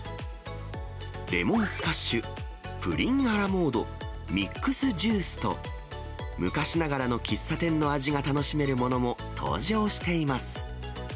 レモンスカッシュ、プリンアラモード、ミックスジュースと、昔ながらの喫茶店の味が楽しめるものも登場しています。